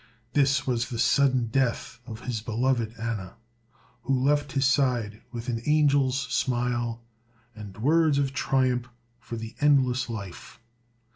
This was the sudden death of his beloved Anna, who left his side with an angel's smile and words of triumph for the endless life.